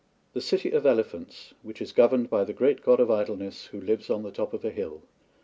III THE CITY OF ELEPHANTS WHICH IS GOVERNED BY THE GREAT GOD OF IDLENESS, WHO LIVES ON THE TOP OF A HILL.